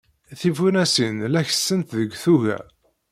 Tifunasin la kessent deg tuga.